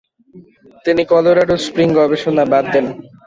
তিনি Colorado Spring গবেষণা বাদ দেন।